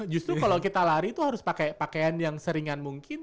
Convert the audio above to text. justru kalau kita lari itu harus pakai pakaian yang seringan mungkin